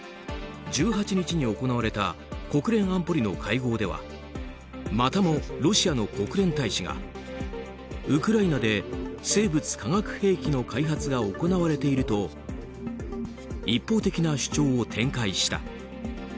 １８日に行われた国連安保理の会合ではまたもロシアの国連大使がウクライナで生物・化学兵器の開発が行われていると一方的な主張を展開した。